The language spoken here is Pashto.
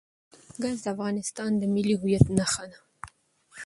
ګاز د افغانستان د ملي هویت نښه ده.